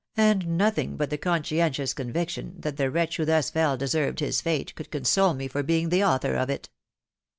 and nothing but the conscientious conviction, that the wretch who thus feU deserved his fate, could console me for being the author of it